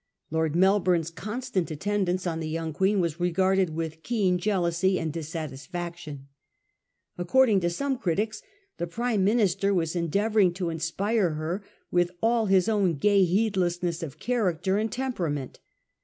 Lord Melbourne's constant attendance on the young Queen was regarded with keen jealousy and dissatisfaction. According to some dritics the Prime Minister was endeavouring to inspire her with all his own gay heedlessness of character and tempe rament.